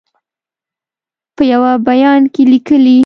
په یوه بیان کې لیکلي